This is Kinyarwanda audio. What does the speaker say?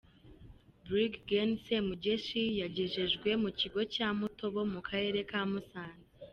Brig Gen Semugeshi yagejejwe mu kigo cya Mutobo mu Karere ka Musanze.